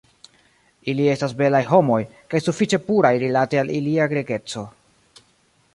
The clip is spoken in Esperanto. Ili estas belaj homoj, kaj sufiĉe puraj rilate al ilia Grekeco.